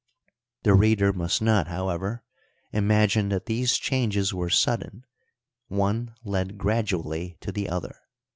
The reader must not, however, imagine that these changes were sudden ;• one led gradually to the other.